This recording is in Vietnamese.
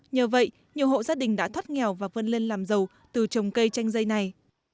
nhờ vậy nhiều hộ gia đình đã thoát nghèo và vươn lên làm giàu từ trồng cây chanh dây này